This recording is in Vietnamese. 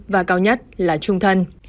và cao nhất là trung thân